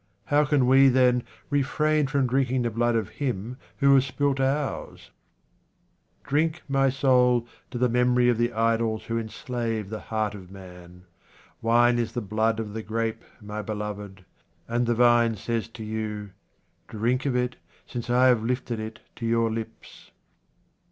How can we, then, refrain from drinking the blood of him who has spilt ours ? Drink, my soul, to the memory of the idols who enslave the heart of man. Wine is the blood of the grape, my beloved, and the vine says to you, " Drink of it, since I have lifted it to your lips."